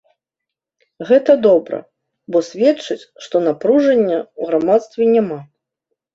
Гэта добра, бо сведчыць, што напружання ў грамадстве няма.